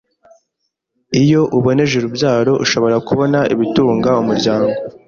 Iyo uboneje urubyaro ushobora kubona ibitunga umuryango